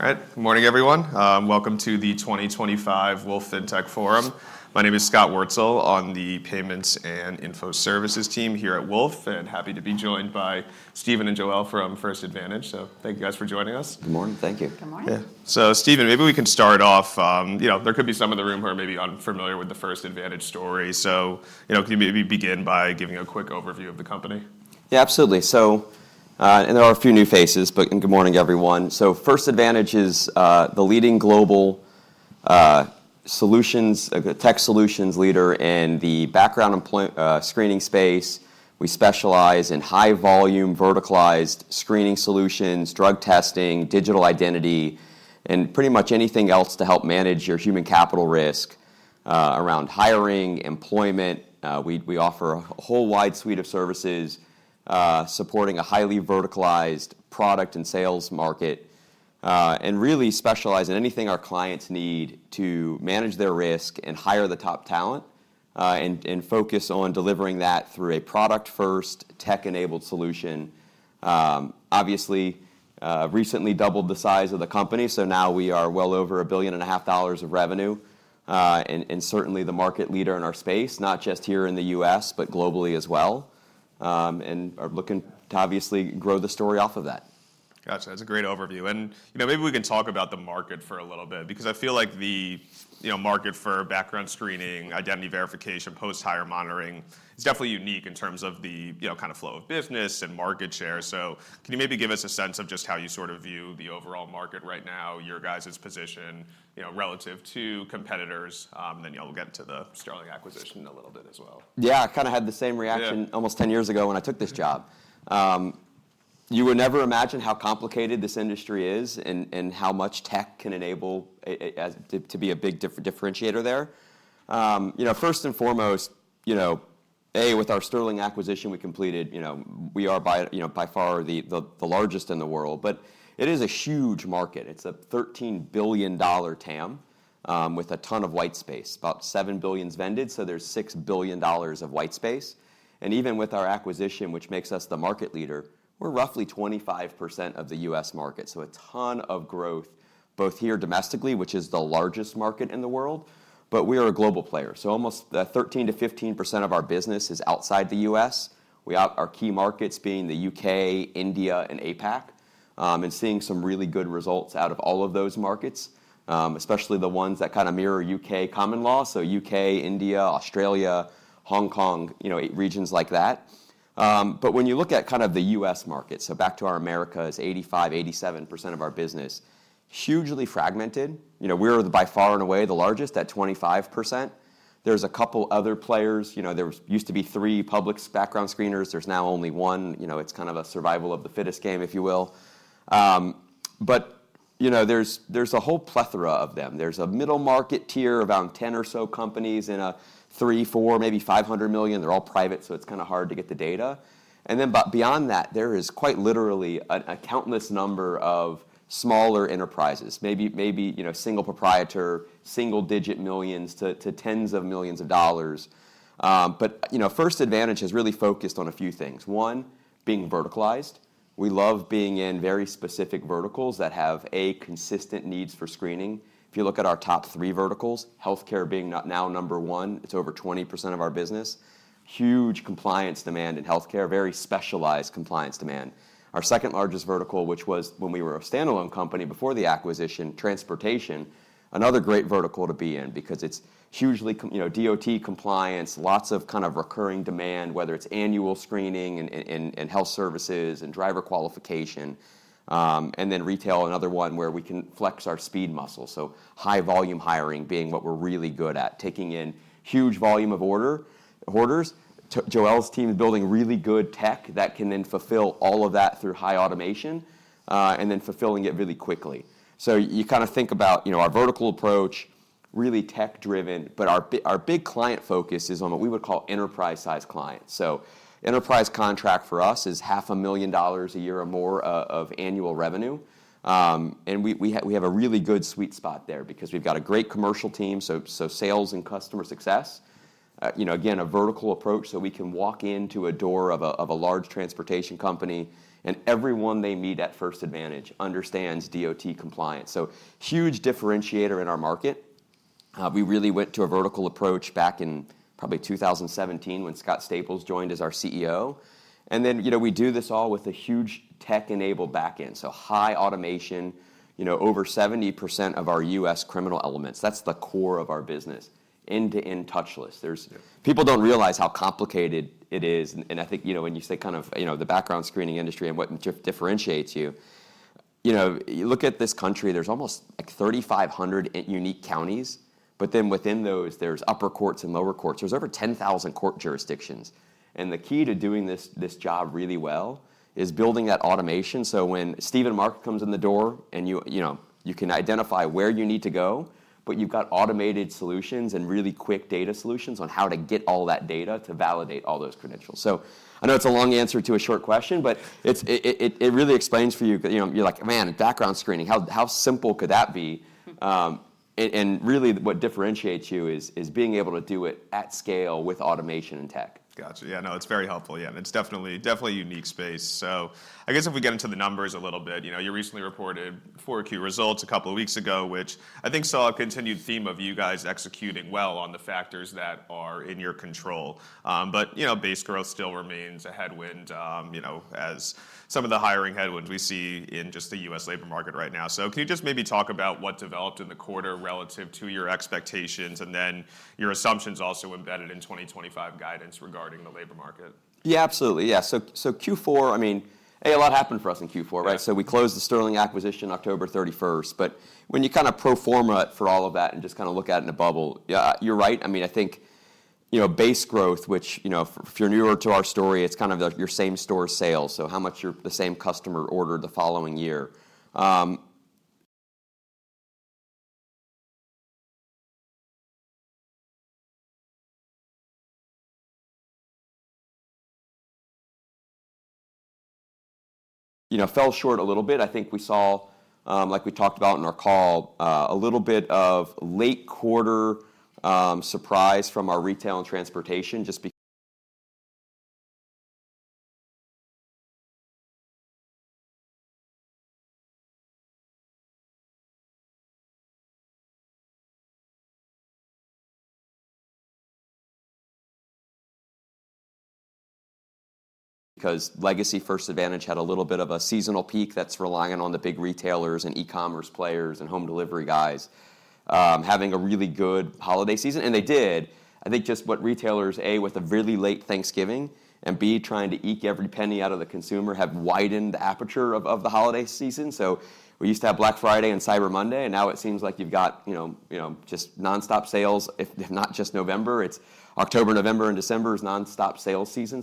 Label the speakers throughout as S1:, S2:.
S1: All right. Good morning, everyone. Welcome to the 2025 Wolfe FinTech Forum. My name is Scott Wurtzel on the Payments and Info Services team here at Wolfe, and happy to be joined by Stephen and Joelle from First Advantage. Thank you guys for joining us.
S2: Good morning. Thank you.
S3: Good morning.
S1: Yeah. So Stephen, maybe we can start off. There could be some of the room who are maybe unfamiliar with the First Advantage story. So can you maybe begin by giving a quick overview of the company?
S2: Yeah, absolutely. There are a few new faces, but good morning, everyone. First Advantage is the leading global tech solutions leader in the background screening space. We specialize in high-volume verticalized screening solutions, drug testing, digital identity, and pretty much anything else to help manage your human capital risk around hiring, employment. We offer a whole wide suite of services supporting a highly verticalized product and sales market and really specialize in anything our clients need to manage their risk and hire the top talent and focus on delivering that through a product-first, tech-enabled solution. Obviously, recently doubled the size of the company, so now we are well over $1.5 billion of revenue and certainly the market leader in our space, not just here in the U.S., but globally as well, and are looking to obviously grow the story off of that.
S1: Gotcha. That's a great overview. Maybe we can talk about the market for a little bit because I feel like the market for background screening, identity verification, post-hire monitoring is definitely unique in terms of the kind of flow of business and market share. Can you maybe give us a sense of just how you sort of view the overall market right now, your guys' position relative to competitors? Then we'll get into the Sterling acquisition a little bit as well.
S2: Yeah, I kind of had the same reaction almost 10 years ago when I took this job. You would never imagine how complicated this industry is and how much tech can enable to be a big differentiator there. First and foremost, with our Sterling acquisition we completed, we are by far the largest in the world, but it is a huge market. It's a $13 billion TAM with a ton of white space, about $7 billion vendors, so there's $6 billion of white space. Even with our acquisition, which makes us the market leader, we're roughly 25% of the U.S. market. A ton of growth both here domestically, which is the largest market in the world, but we are a global player. Almost 13%-15% of our business is outside the U.S. Our key markets being the U.K., India, and APAC, and seeing some really good results out of all of those markets, especially the ones that kind of mirror U.K. common law, so U.K., India, Australia, Hong Kong, regions like that. When you look at kind of the U.S. market, back to our Americas, 85%-87% of our business, hugely fragmented. We're by far and away the largest at 25%. There's a couple other players. There used to be three public background screeners. There's now only one. It's kind of a survival of the fittest game, if you will. There's a whole plethora of them. There's a middle market tier of around 10 or so companies in a 300, 400, maybe 500 million. They're all private, so it's kind of hard to get the data. Beyond that, there is quite literally a countless number of smaller enterprises, maybe single proprietor, single digit millions to tens of millions of dollars. First Advantage has really focused on a few things. One, being verticalized. We love being in very specific verticals that have, A, consistent needs for screening. If you look at our top three verticals, healthcare being now number one, it's over 20% of our business. Huge compliance demand in healthcare, very specialized compliance demand. Our second largest vertical, which was when we were a standalone company before the acquisition, transportation, another great vertical to be in because it's hugely DOT compliance, lots of kind of recurring demand, whether it's annual screening and health services and driver qualification. Retail, another one where we can flex our speed muscle. High volume hiring being what we're really good at, taking in huge volume of orders. Joelle's team is building really good tech that can then fulfill all of that through high automation and then fulfilling it really quickly. You kind of think about our vertical approach, really tech driven, but our big client focus is on what we would call enterprise-sized clients. Enterprise contract for us is $500,000 a year or more of annual revenue. We have a really good sweet spot there because we've got a great commercial team, so sales and customer success. Again, a vertical approach so we can walk into a door of a large transportation company and everyone they meet at First Advantage understands DOT compliance. Huge differentiator in our market. We really went to a vertical approach back in probably 2017 when Scott Staples joined as our CEO. We do this all with a huge tech-enabled backend, so high automation, over 70% of our US criminal elements. That's the core of our business, end-to-end touchless. People don't realize how complicated it is. I think when you say kind of the background screening industry and what differentiates you, you look at this country, there's almost like 3,500 unique counties, but then within those, there's upper courts and lower courts. There's over 10,000 court jurisdictions. The key to doing this job really well is building that automation. When Steven Marks comes in the door and you can identify where you need to go, but you've got automated solutions and really quick data solutions on how to get all that data to validate all those credentials. I know it's a long answer to a short question, but it really explains for you. You're like, "Man, background screening, how simple could that be?" It really what differentiates you is being able to do it at scale with automation and tech.
S1: Gotcha. Yeah, no, it's very helpful. Yeah, and it's definitely a unique space. I guess if we get into the numbers a little bit, you recently reported four key results a couple of weeks ago, which I think saw a continued theme of you guys executing well on the factors that are in your control. Base growth still remains a headwind as some of the hiring headwinds we see in just the U.S. labor market right now. Can you just maybe talk about what developed in the quarter relative to your expectations and then your assumptions also embedded in 2025 guidance regarding the labor market?
S2: Yeah, absolutely. Yeah. Q4, I mean, a lot happened for us in Q4, right? We closed the Sterling acquisition October 31. When you kind of pro forma for all of that and just kind of look at it in a bubble, yeah, you're right. I mean, I think base growth, which if you're newer to our story, it's kind of your same store sales. How much your same customer ordered the following year fell short a little bit. I think we saw, like we talked about in our call, a little bit of late quarter surprise from our retail and transportation just because. Legacy First Advantage had a little bit of a seasonal peak that's relying on the big retailers and e-commerce players and home delivery guys having a really good holiday season. They did. I think just what retailers, A, with a really late Thanksgiving and B, trying to eke every penny out of the consumer have widened the aperture of the holiday season. We used to have Black Friday and Cyber Monday, and now it seems like you've got just nonstop sales. If not just November, it's October, November, and December is nonstop sales season.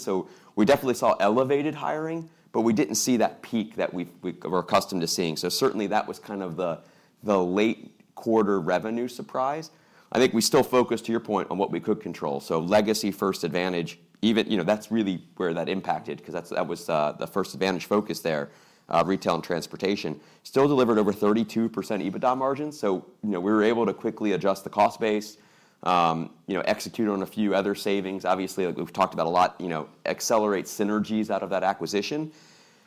S2: We definitely saw elevated hiring, but we didn't see that peak that we were accustomed to seeing. That was kind of the late quarter revenue surprise. I think we still focused, to your point, on what we could control. Legacy First Advantage, that's really where that impacted because that was the First Advantage focus there, retail and transportation. Still delivered over 32% EBITDA margins. We were able to quickly adjust the cost base, execute on a few other savings. Obviously, like we've talked about a lot, accelerate synergies out of that acquisition.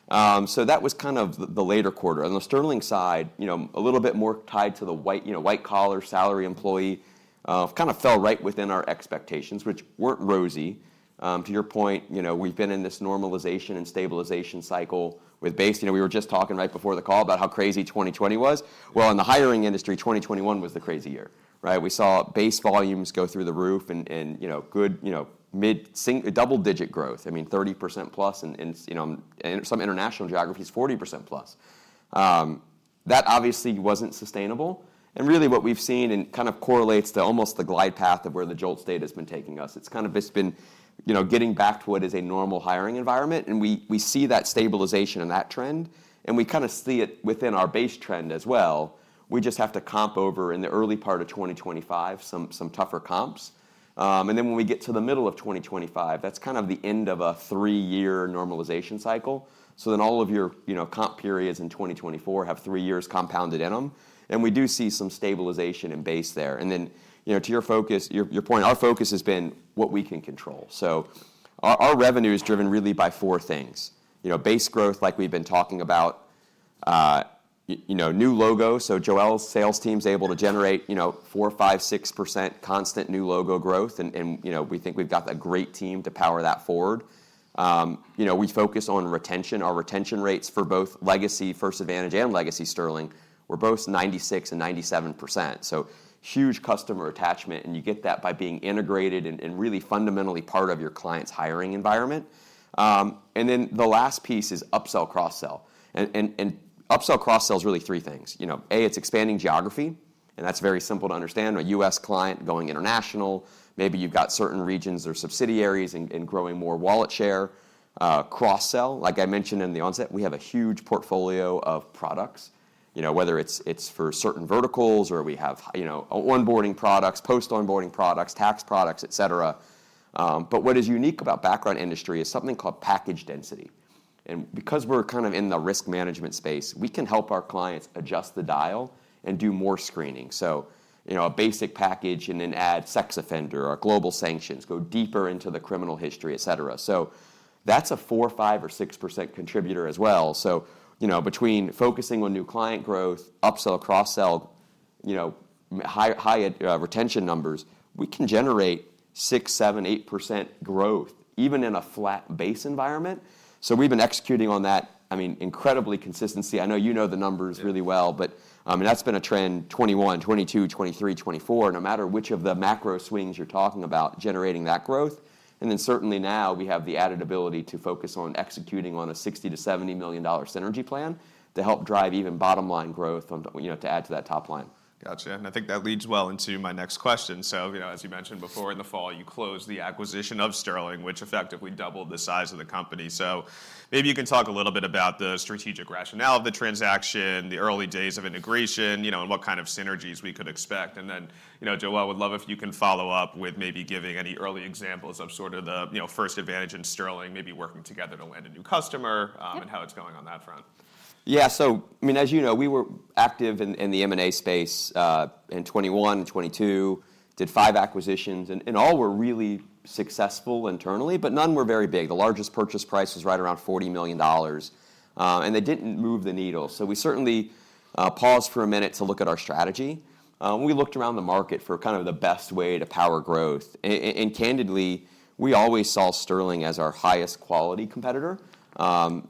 S2: That was kind of the later quarter. On the Sterling side, a little bit more tied to the white-collar salary employee kind of fell right within our expectations, which weren't rosy. To your point, we've been in this normalization and stabilization cycle with base. We were just talking right before the call about how crazy 2020 was. In the hiring industry, 2021 was the crazy year, right? We saw base volumes go through the roof and good mid-single double-digit growth, I mean, 30%+ in some international geographies, 40%+. That obviously wasn't sustainable. What we've seen and kind of correlates to almost the glide path of where the jobs data has been taking us. It's kind of been getting back to what is a normal hiring environment. We see that stabilization and that trend, and we kind of see it within our base trend as well. We just have to comp over in the early part of 2025, some tougher comps. When we get to the middle of 2025, that's kind of the end of a three-year normalization cycle. All of your comp periods in 2024 have three years compounded in them. We do see some stabilization in base there. To your point, our focus has been what we can control. Our revenue is driven really by four things: base growth, like we've been talking about, new logo. Joelle's sales team is able to generate 4%, 5%, 6% constant new logo growth. We think we've got a great team to power that forward. We focus on retention. Our retention rates for both legacy First Advantage and legacy Sterling were both 96% and 97%. Huge customer attachment. You get that by being integrated and really fundamentally part of your client's hiring environment. The last piece is upsell, cross-sell. Upsell, cross-sell is really three things. A, it's expanding geography. That's very simple to understand. A U.S. client going international. Maybe you've got certain regions or subsidiaries and growing more wallet share. Cross-sell, like I mentioned in the onset, we have a huge portfolio of products, whether it's for certain verticals or we have onboarding products, post-onboarding products, tax products, etc. What is unique about background industry is something called package density. Because we're kind of in the risk management space, we can help our clients adjust the dial and do more screening. A basic package and then add sex offender or global sanctions, go deeper into the criminal history, etc. That's a 4%, 5%, or 6% contributor as well. Between focusing on new client growth, upsell, cross-sell, high retention numbers, we can generate 6%, 7%, 8% growth even in a flat base environment. We've been executing on that, I mean, incredibly consistently. I know you know the numbers really well, but that's been a trend 2021, 2022, 2023, 2024, no matter which of the macro swings you're talking about generating that growth. Certainly now we have the added ability to focus on executing on a $60 million-$70 million synergy plan to help drive even bottom line growth to add to that top line.
S1: Gotcha. I think that leads well into my next question. As you mentioned before in the fall, you closed the acquisition of Sterling, which effectively doubled the size of the company. Maybe you can talk a little bit about the strategic rationale of the transaction, the early days of integration, and what kind of synergies we could expect. Joelle, would love if you can follow up with maybe giving any early examples of sort of the First Advantage and Sterling maybe working together to land a new customer and how it's going on that front.
S2: Yeah. I mean, as you know, we were active in the M&A space in 2021 and 2022, did five acquisitions, and all were really successful internally, but none were very big. The largest purchase price was right around $40 million. They did not move the needle. We certainly paused for a minute to look at our strategy. We looked around the market for kind of the best way to power growth. Candidly, we always saw Sterling as our highest quality competitor.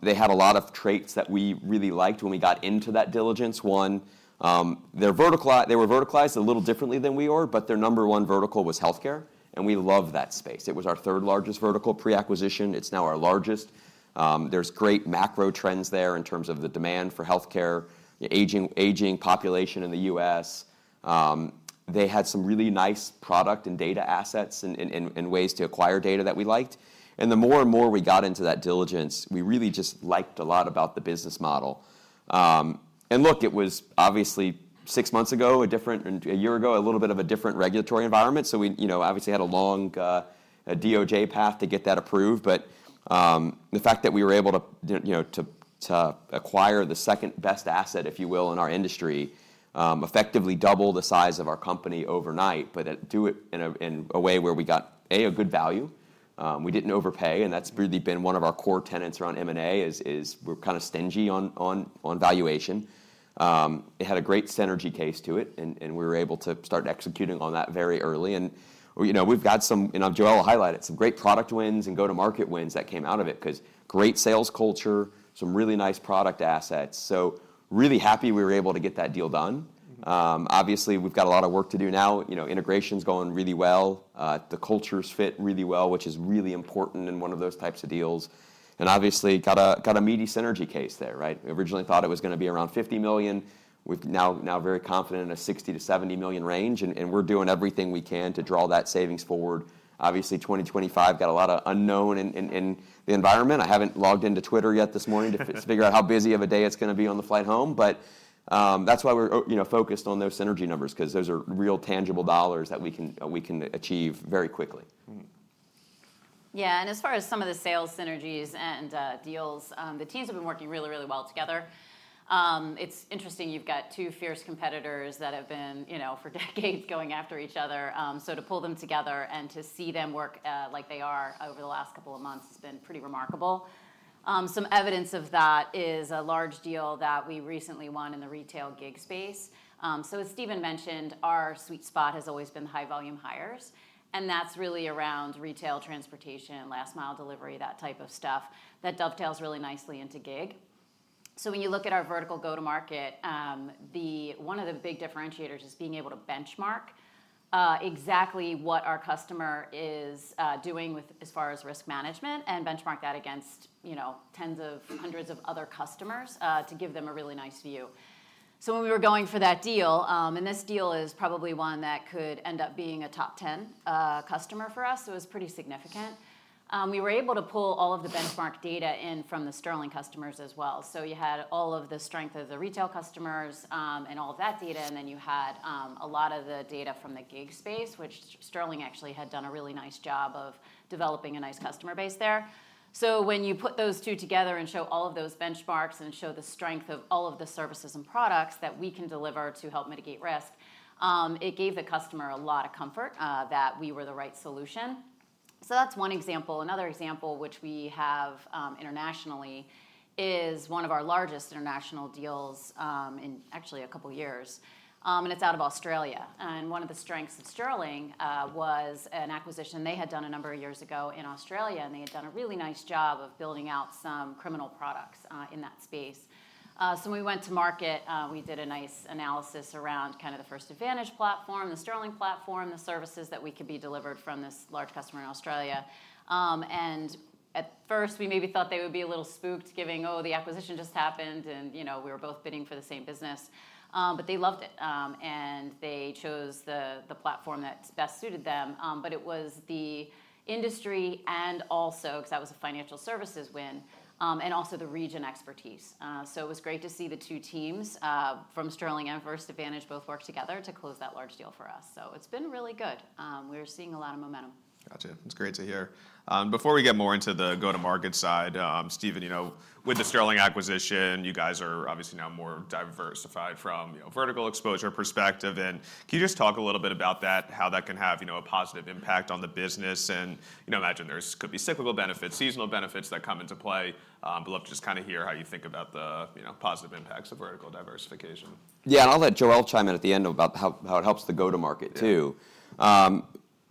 S2: They have a lot of traits that we really liked when we got into that diligence. One, they were verticalized a little differently than we were, but their number one vertical was healthcare. We love that space. It was our third largest vertical pre-acquisition. It is now our largest. There are great macro trends there in terms of the demand for healthcare, aging population in the U.S. They had some really nice product and data assets and ways to acquire data that we liked. The more and more we got into that diligence, we really just liked a lot about the business model. Look, it was obviously six months ago, a year ago, a little bit of a different regulatory environment. We obviously had a long DOJ path to get that approved. The fact that we were able to acquire the second best asset, if you will, in our industry effectively doubled the size of our company overnight, but do it in a way where we got, A, a good value. We did not overpay. That has really been one of our core tenets around M&A is we are kind of stingy on valuation. It had a great synergy case to it, and we were able to start executing on that very early. We have some, and Joelle highlighted, some great product wins and go-to-market wins that came out of it because great sales culture, some really nice product assets. Really happy we were able to get that deal done. Obviously, we have a lot of work to do now. Integration's going really well. The cultures fit really well, which is really important in one of those types of deals. Obviously, got a meaty synergy case there, right? We originally thought it was going to be around $50 million. We're now very confident in a $60 million-$70 million range, and we're doing everything we can to draw that savings forward. Obviously, 2025 has a lot of unknown in the environment. I haven't logged into Twitter yet this morning to figure out how busy of a day it's going to be on the flight home. That's why we're focused on those synergy numbers because those are real tangible dollars that we can achieve very quickly.
S3: Yeah. As far as some of the sales synergies and deals, the teams have been working really, really well together. It is interesting. You have got two fierce competitors that have been for decades going after each other. To pull them together and to see them work like they are over the last couple of months has been pretty remarkable. Some evidence of that is a large deal that we recently won in the retail gig space. As Stephen mentioned, our sweet spot has always been high-volume hires. That is really around retail, transportation, last-mile delivery, that type of stuff that dovetails really nicely into gig. When you look at our vertical go-to-market, one of the big differentiators is being able to benchmark exactly what our customer is doing as far as risk management and benchmark that against tens of hundreds of other customers to give them a really nice view. When we were going for that deal, and this deal is probably one that could end up being a top 10 customer for us, it was pretty significant. We were able to pull all of the benchmark data in from the Sterling customers as well. You had all of the strength of the retail customers and all of that data. Then you had a lot of the data from the gig space, which Sterling actually had done a really nice job of developing a nice customer base there. When you put those two together and show all of those benchmarks and show the strength of all of the services and products that we can deliver to help mitigate risk, it gave the customer a lot of comfort that we were the right solution. That is one example. Another example, which we have internationally, is one of our largest international deals in actually a couple of years. It is out of Australia. One of the strengths of Sterling was an acquisition they had done a number of years ago in Australia. They had done a really nice job of building out some criminal products in that space. When we went to market, we did a nice analysis around kind of the First Advantage platform, the Sterling platform, the services that could be delivered from this large customer in Australia. At first, we maybe thought they would be a little spooked, giving, "Oh, the acquisition just happened," and we were both bidding for the same business. They loved it. They chose the platform that best suited them. It was the industry and also because that was a financial services win and also the region expertise. It was great to see the two teams from Sterling and First Advantage both work together to close that large deal for us. It has been really good. We are seeing a lot of momentum.
S1: Gotcha. That's great to hear. Before we get more into the go-to-market side, Stephen, with the Sterling acquisition, you guys are obviously now more diversified from a vertical exposure perspective. Can you just talk a little bit about that, how that can have a positive impact on the business? I imagine there could be cyclical benefits, seasonal benefits that come into play. I'd love to just kind of hear how you think about the positive impacts of vertical diversification.
S2: Yeah. I'll let Joelle chime in at the end about how it helps the go-to-market too.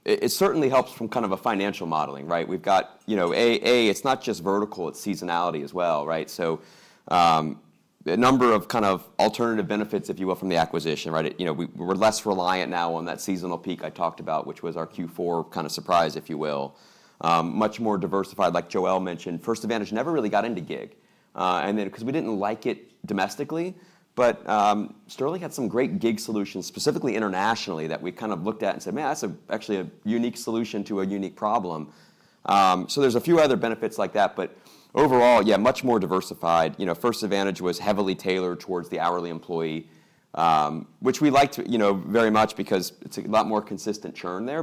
S2: It certainly helps from kind of a financial modeling, right? We've got, A, it's not just vertical, it's seasonality as well, right? A number of kind of alternative benefits, if you will, from the acquisition, right? We're less reliant now on that seasonal peak I talked about, which was our Q4 kind of surprise, if you will. Much more diversified, like Joelle mentioned, First Advantage never really got into gig because we didn't like it domestically. Sterling had some great gig solutions, specifically internationally, that we kind of looked at and said, "Man, that's actually a unique solution to a unique problem." There are a few other benefits like that. Overall, yeah, much more diversified. First Advantage was heavily tailored towards the hourly employee, which we liked very much because it's a lot more consistent churn there.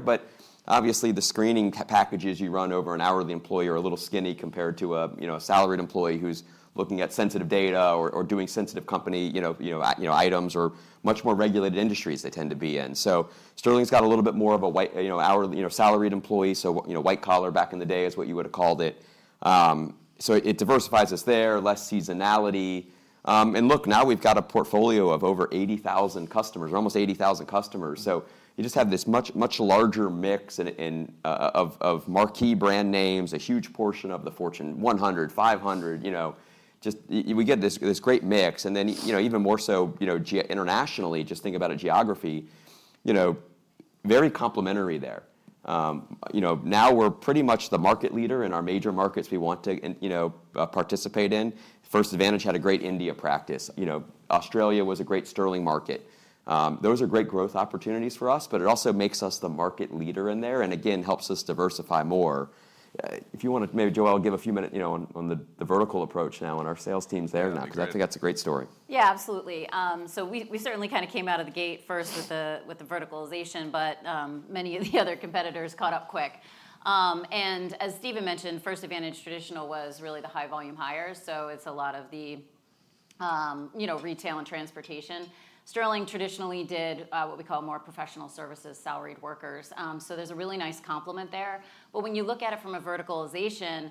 S2: Obviously, the screening packages you run over an hourly employee are a little skinny compared to a salaried employee who's looking at sensitive data or doing sensitive company items or much more regulated industries they tend to be in. Sterling's got a little bit more of a salaried employee. White-collar back in the day is what you would have called it. It diversifies us there, less seasonality. Look, now we've got a portfolio of over 80,000 customers, almost 80,000 customers. You just have this much larger mix of marquee brand names, a huge portion of the Fortune 100, 500. We get this great mix. Even more so internationally, just think about a geography, very complementary there. Now we're pretty much the market leader in our major markets we want to participate in. First Advantage had a great India practice. Australia was a great Sterling market. Those are great growth opportunities for us, but it also makes us the market leader in there and again, helps us diversify more. If you want to, maybe Joelle will give a few minutes on the vertical approach now and our sales teams there and that because I think that's a great story.
S3: Yeah, absolutely. We certainly kind of came out of the gate first with the verticalization, but many of the other competitors caught up quick. As Stephen mentioned, First Advantage traditional was really the high-volume hires. It is a lot of the retail and transportation. Sterling traditionally did what we call more professional services, salaried workers. There is a really nice complement there. When you look at it from a verticalization,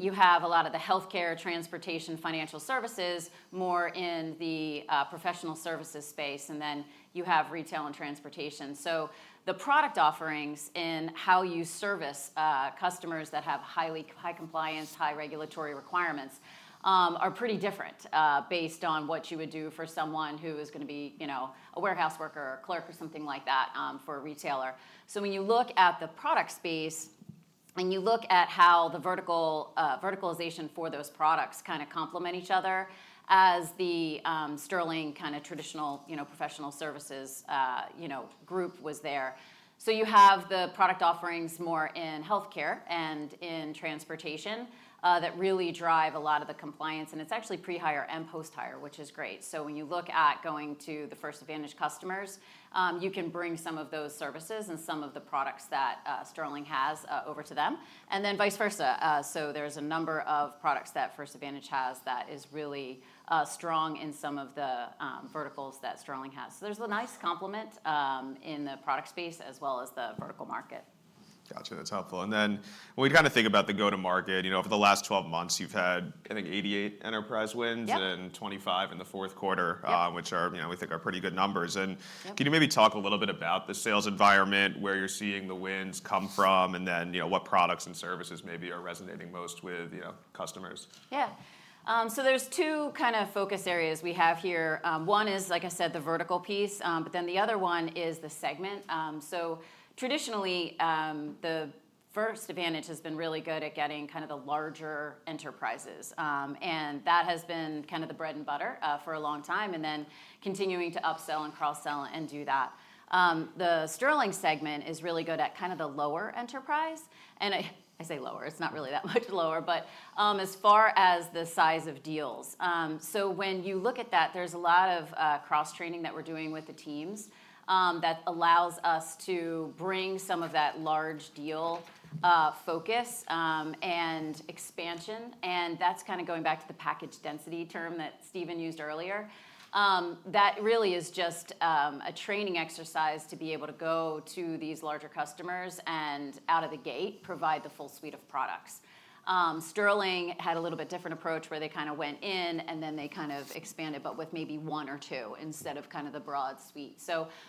S3: you have a lot of the healthcare, transportation, financial services more in the professional services space. You have retail and transportation. The product offerings in how you service customers that have high compliance, high regulatory requirements are pretty different based on what you would do for someone who is going to be a warehouse worker or a clerk or something like that for a retailer. When you look at the product space and you look at how the verticalization for those products kind of complement each other as the Sterling kind of traditional professional services group was there, you have the product offerings more in healthcare and in transportation that really drive a lot of the compliance. It's actually pre-hire and post-hire, which is great. When you look at going to the First Advantage customers, you can bring some of those services and some of the products that Sterling has over to them, and then vice versa. There are a number of products that First Advantage has that is really strong in some of the verticals that Sterling has. There is a nice complement in the product space as well as the vertical market.
S1: Gotcha. That's helpful. When we kind of think about the go-to-market, over the last 12 months, you've had, I think, 88 enterprise wins and 25 in the fourth quarter, which we think are pretty good numbers. Can you maybe talk a little bit about the sales environment where you're seeing the wins come from and what products and services maybe are resonating most with customers?
S3: Yeah. There are two kind of focus areas we have here. One is, like I said, the vertical piece, but then the other one is the segment. Traditionally, First Advantage has been really good at getting kind of the larger enterprises. That has been kind of the bread and butter for a long time and then continuing to upsell and cross-sell and do that. The Sterling segment is really good at kind of the lower enterprise. I say lower, it is not really that much lower, but as far as the size of deals. When you look at that, there is a lot of cross-training that we are doing with the teams that allows us to bring some of that large deal focus and expansion. That is kind of going back to the package density term that Stephen used earlier. That really is just a training exercise to be able to go to these larger customers and out of the gate provide the full suite of products. Sterling had a little bit different approach where they kind of went in and then they kind of expanded, but with maybe one or two instead of kind of the broad suite.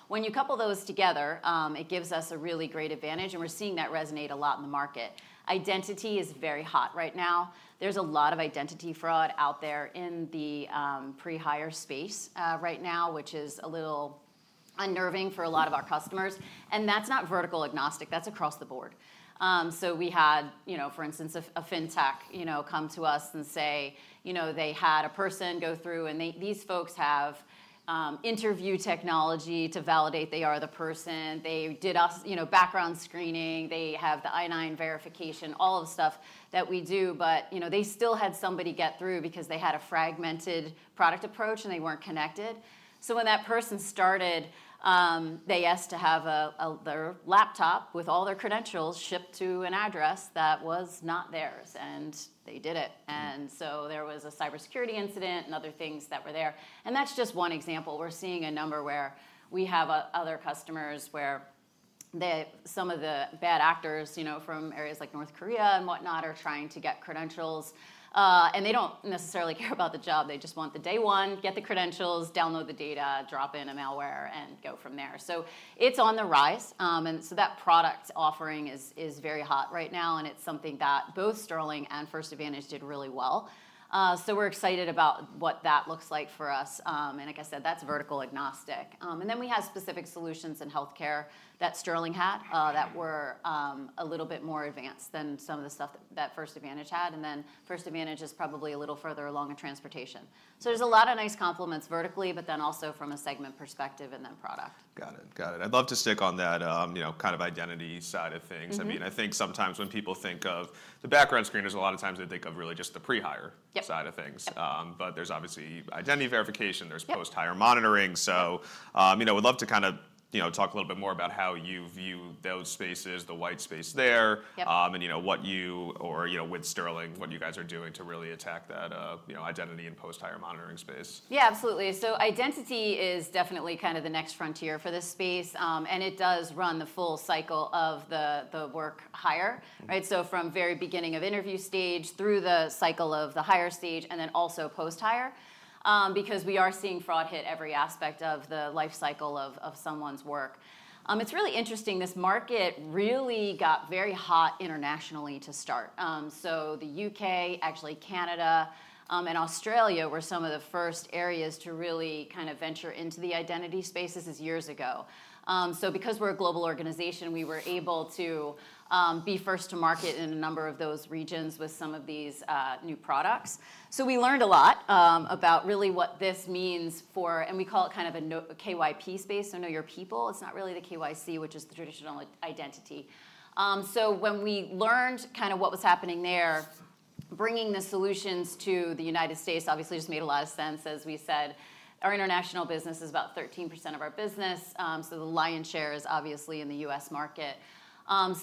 S3: When you couple those together, it gives us a really great advantage. We're seeing that resonate a lot in the market. Identity is very hot right now. There's a lot of identity fraud out there in the pre-hire space right now, which is a little unnerving for a lot of our customers. That's not vertical agnostic. That's across the board. We had, for instance, a fintech come to us and say they had a person go through. These folks have interview technology to validate they are the person. They did background screening. They have the I-9 verification, all of the stuff that we do. They still had somebody get through because they had a fragmented product approach and they were not connected. When that person started, they asked to have their laptop with all their credentials shipped to an address that was not theirs. They did it. There was a cybersecurity incident and other things that were there. That is just one example. We are seeing a number where we have other customers where some of the bad actors from areas like North Korea and whatnot are trying to get credentials. They do not necessarily care about the job. They just want the day one, get the credentials, download the data, drop in a malware, and go from there. It's on the rise. That product offering is very hot right now. It's something that both Sterling and First Advantage did really well. We're excited about what that looks like for us. Like I said, that's vertical agnostic. We have specific solutions in healthcare that Sterling had that were a little bit more advanced than some of the stuff that First Advantage had. First Advantage is probably a little further along in transportation. There's a lot of nice complements vertically, but also from a segment perspective and then product.
S1: Got it. Got it. I'd love to stick on that kind of identity side of things. I mean, I think sometimes when people think of the background screeners, a lot of times they think of really just the pre-hire side of things. But there's obviously identity verification. There's post-hire monitoring. I would love to kind of talk a little bit more about how you view those spaces, the white space there, and what you or with Sterling, what you guys are doing to really attack that identity and post-hire monitoring space.
S3: Yeah, absolutely. Identity is definitely kind of the next frontier for this space. It does run the full cycle of the work hire, right? From the very beginning of interview stage through the cycle of the hire stage and then also post-hire because we are seeing fraud hit every aspect of the life cycle of someone's work. It's really interesting. This market really got very hot internationally to start. The U.K., actually Canada and Australia were some of the first areas to really kind of venture into the identity spaces years ago. Because we're a global organization, we were able to be first to market in a number of those regions with some of these new products. We learned a lot about really what this means for, and we call it kind of a KYP space. I know your people, it's not really the KYC, which is the traditional identity. When we learned kind of what was happening there, bringing the solutions to the United States obviously just made a lot of sense. As we said, our international business is about 13% of our business. The lion's share is obviously in the U.S. market.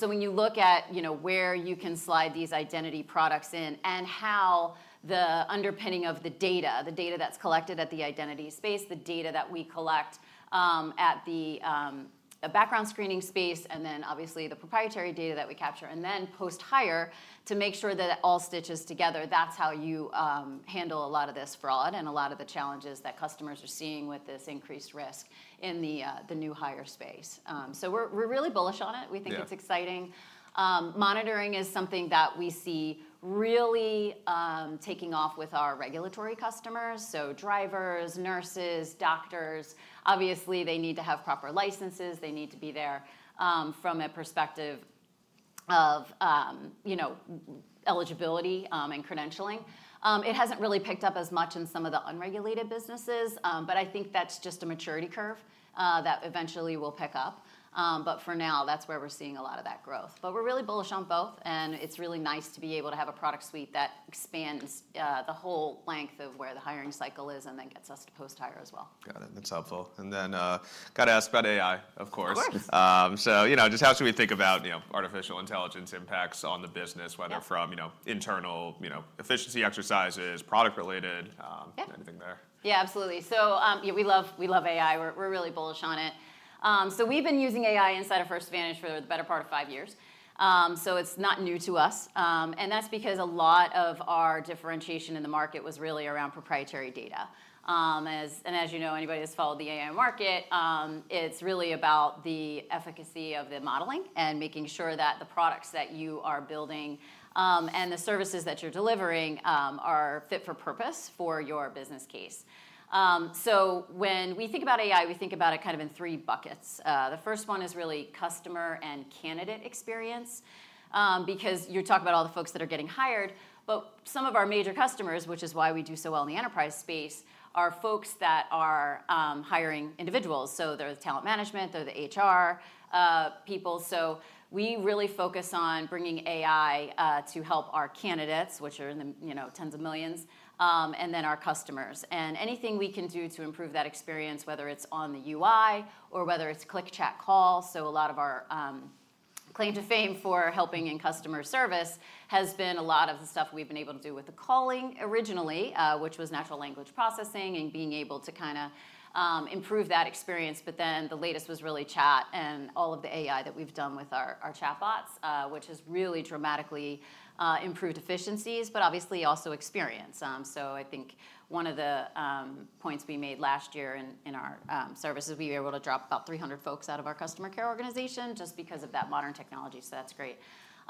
S3: When you look at where you can slide these identity products in and how the underpinning of the data, the data that's collected at the identity space, the data that we collect at the background screening space, and then obviously the proprietary data that we capture and then post-hire to make sure that it all stitches together, that's how you handle a lot of this fraud and a lot of the challenges that customers are seeing with this increased risk in the new hire space. We're really bullish on it. We think it's exciting. Monitoring is something that we see really taking off with our regulatory customers. Drivers, nurses, doctors, obviously they need to have proper licenses. They need to be there from a perspective of eligibility and credentialing. It hasn't really picked up as much in some of the unregulated businesses, but I think that's just a maturity curve that eventually will pick up. For now, that's where we're seeing a lot of that growth. We're really bullish on both. It's really nice to be able to have a product suite that expands the whole length of where the hiring cycle is and then gets us to post-hire as well.
S1: Got it. That's helpful. I got to ask about AI, of course. Just how should we think about artificial intelligence impacts on the business, whether from internal efficiency exercises, product-related, anything there?
S3: Yeah, absolutely. We love AI. We're really bullish on it. We've been using AI inside of First Advantage for the better part of five years. It's not new to us. That's because a lot of our differentiation in the market was really around proprietary data. As you know, anybody that's followed the AI market, it's really about the efficacy of the modeling and making sure that the products that you are building and the services that you're delivering are fit for purpose for your business case. When we think about AI, we think about it kind of in three buckets. The first one is really customer and candidate experience because you're talking about all the folks that are getting hired. Some of our major customers, which is why we do so well in the enterprise space, are folks that are hiring individuals. They're the talent management, they're the HR people. We really focus on bringing AI to help our candidates, which are in the tens of millions, and then our customers. Anything we can do to improve that experience, whether it's on the UI or whether it's click chat calls. A lot of our claim to fame for helping in customer service has been a lot of the stuff we've been able to do with the calling originally, which was natural language processing and being able to kind of improve that experience. The latest was really chat and all of the AI that we've done with our chatbots, which has really dramatically improved efficiencies, but obviously also experience. I think one of the points we made last year in our service is we were able to drop about 300 folks out of our customer care organization just because of that modern technology. That's great.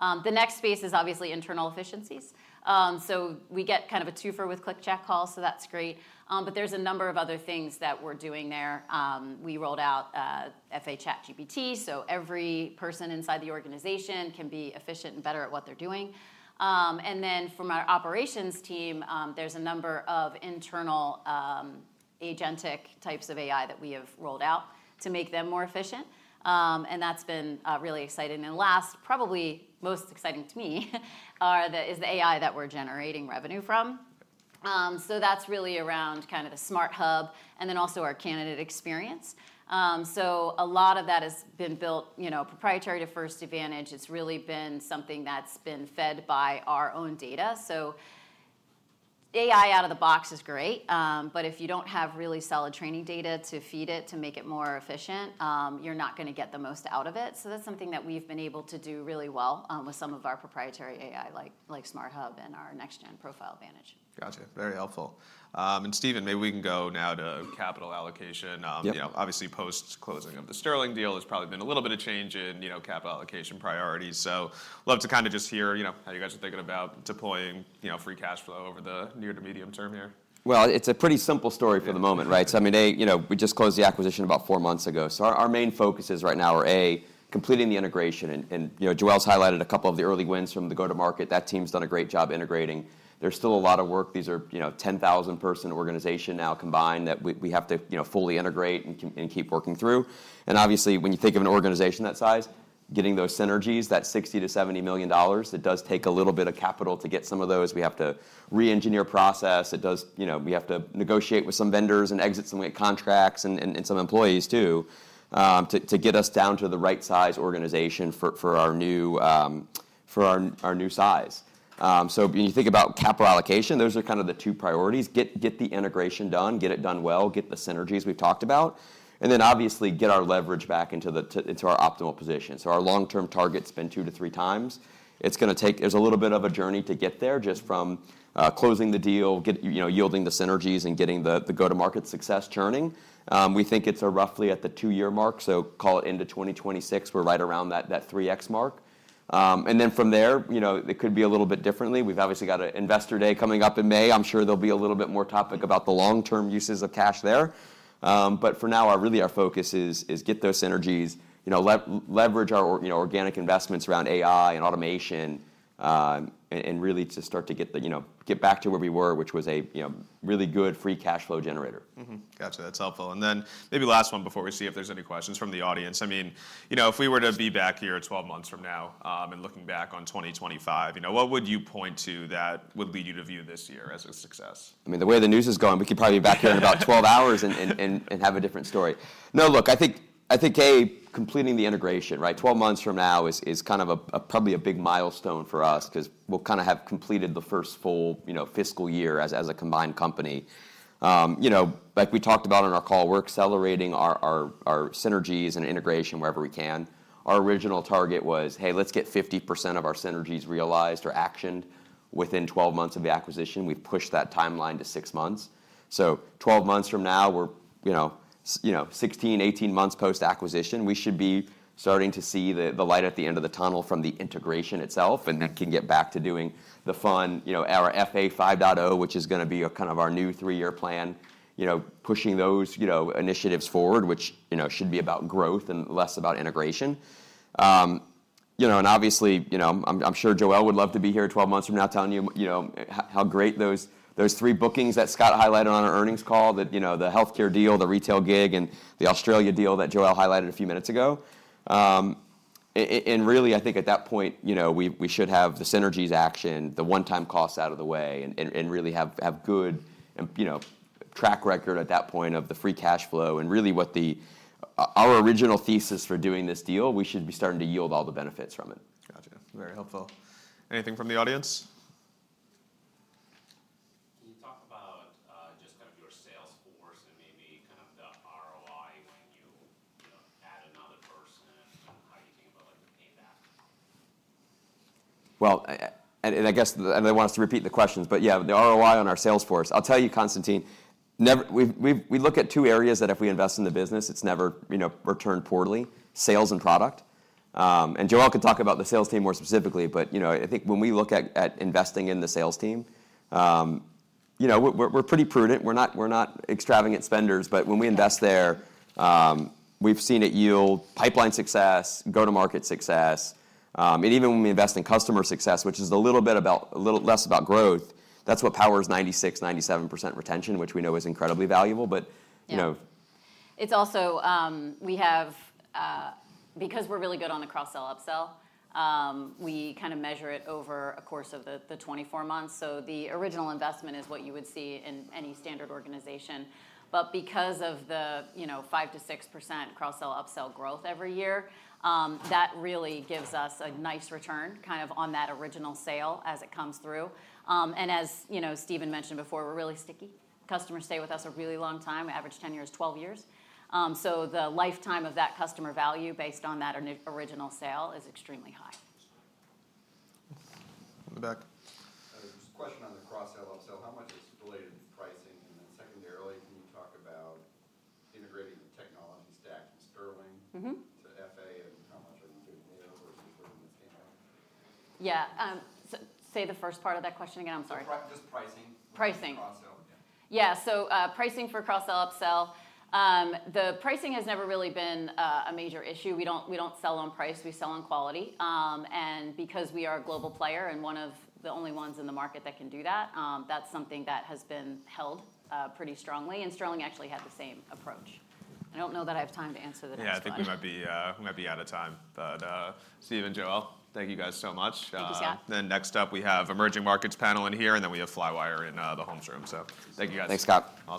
S3: The next space is obviously internal efficiencies. We get kind of a twofer with click chat calls. That's great. There are a number of other things that we're doing there. We rolled out FA ChatGPT. Every person inside the organization can be efficient and better at what they're doing. From our operations team, there are a number of internal agentic types of AI that we have rolled out to make them more efficient. That's been really exciting. Last, probably most exciting to me is the AI that we're generating revenue from. That's really around kind of the SmartHub and then also our candidate experience. A lot of that has been built proprietary to First Advantage. It's really been something that's been fed by our own data. AI out of the box is great. If you don't have really solid training data to feed it to make it more efficient, you're not going to get the most out of it. That's something that we've been able to do really well with some of our proprietary AI like Smart Hub and our Next Gen Profile Advantage.
S1: Gotcha. Very helpful. Stephen, maybe we can go now to capital allocation. Obviously, post-closing of the Sterling deal, there's probably been a little bit of change in capital allocation priorities. I'd love to kind of just hear how you guys are thinking about deploying free cash flow over the near to medium term here.
S2: It's a pretty simple story for the moment, right? I mean, we just closed the acquisition about four months ago. Our main focuses right now are A, completing the integration. Joelle's highlighted a couple of the early wins from the go-to-market. That team's done a great job integrating. There's still a lot of work. These are a 10,000-person organization now combined that we have to fully integrate and keep working through. Obviously, when you think of an organization that size, getting those synergies, that $60 million-$70 million, it does take a little bit of capital to get some of those. We have to re-engineer process. We have to negotiate with some vendors and exit some contracts and some employees too to get us down to the right size organization for our new size. When you think about capital allocation, those are kind of the two priorities. Get the integration done, get it done well, get the synergies we've talked about. Obviously get our leverage back into our optimal position. Our long-term target's been two to three times. It's going to take a little bit of a journey to get there just from closing the deal, yielding the synergies, and getting the go-to-market success churning. We think it's roughly at the two-year mark. Call it into 2026, we're right around that 3X mark. From there, it could be a little bit differently. We've obviously got an investor day coming up in May. I'm sure there'll be a little bit more topic about the long-term uses of cash there. For now, really our focus is get those synergies, leverage our organic investments around AI and automation, and really just start to get back to where we were, which was a really good free cash flow generator.
S1: Gotcha. That's helpful. Maybe last one before we see if there's any questions from the audience. I mean, if we were to be back here 12 months from now and looking back on 2025, what would you point to that would lead you to view this year as a success?
S2: I mean, the way the news is going, we could probably be back here in about 12 hours and have a different story. No, look, I think A, completing the integration, right? Twelve months from now is kind of probably a big milestone for us because we'll kind of have completed the first full fiscal year as a combined company. Like we talked about in our call, we're accelerating our synergies and integration wherever we can. Our original target was, hey, let's get 50% of our synergies realized or actioned within 12 months of the acquisition. We've pushed that timeline to six months. Twelve months from now, we're 16-18 months post-acquisition. We should be starting to see the light at the end of the tunnel from the integration itself and then can get back to doing the fun FA 5.0, which is going to be kind of our new three-year plan, pushing those initiatives forward, which should be about growth and less about integration. Obviously, I'm sure Joelle would love to be here 12 months from now telling you how great those three bookings that Scott highlighted on our earnings call, the healthcare deal, the retail gig, and the Australia deal that Joelle highlighted a few minutes ago. Really, I think at that point, we should have the synergies action, the one-time costs out of the way, and really have a good track record at that point of the free cash flow. Really what our original thesis for doing this deal, we should be starting to yield all the benefits from it.
S1: Gotcha. Very helpful. Anything from the audience?
S4: Can you talk about just kind of your sales force and maybe kind of the ROI when you add another person and how you think about the payback?
S2: I guess I want us to repeat the questions, but yeah, the ROI on our sales force. I'll tell you, Konstantin, we look at two areas that if we invest in the business, it's never returned poorly, sales and product. Joelle can talk about the sales team more specifically, but I think when we look at investing in the sales team, we're pretty prudent. We're not extravagant spenders, but when we invest there, we've seen it yield pipeline success, go-to-market success. Even when we invest in customer success, which is a little bit less about growth, that's what powers 96%-97% retention, which we know is incredibly valuable, but.
S3: It's also we have, because we're really good on the cross-sell upsell, we kind of measure it over a course of the 24 months. The original investment is what you would see in any standard organization. Because of the 5%-6% cross-sell upsell growth every year, that really gives us a nice return kind of on that original sale as it comes through. As Stephen mentioned before, we're really sticky. Customers stay with us a really long time, average 10 years, 12 years. The lifetime of that customer value based on that original sale is extremely high.
S1: On the back.
S5: Just a question on the cross-sell upsell. How much is related to pricing? Then secondarily, can you talk about integrating technology stack from Sterling to FA and how much are you doing there versus where you came from?
S3: Yeah. Say the first part of that question again. I'm sorry.
S5: Just pricing.
S3: Pricing.
S5: Cross-sell.
S3: Yeah. Pricing for cross-sell upsell, the pricing has never really been a major issue. We do not sell on price. We sell on quality. Because we are a global player and one of the only ones in the market that can do that, that is something that has been held pretty strongly. Sterling actually had the same approach. I do not know that I have time to answer that.
S1: Yeah, I think we might be out of time. Thank you guys so much, Stephen and Joelle.
S3: Thank you, Scott.
S1: Next up, we have emerging markets panel in here, and then we have Flywire in the home stream. Thank you guys.
S2: Thanks, Scott.